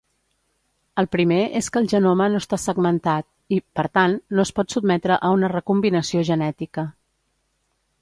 El primer és que el genoma no està segmentat i, per tant, no es pot sotmetre a una recombinació genètica.